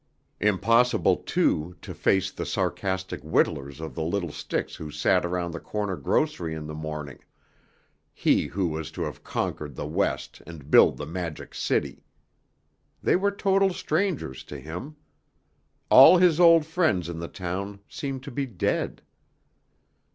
Impossible, too, to face the sarcastic whittlers of the little sticks who sat around the corner grocery in the morning, he who was to have conquered the West and build the Magic City. They were total strangers to him. All his old friends in the town seemed to be dead.